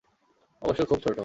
অবশ্য খুব ছোট।